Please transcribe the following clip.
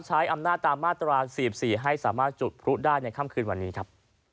ใช้อำนาจตามมาตรา๔๔ให้สามารถจุดพลุได้ในค่ำคืนวันนี้ครับ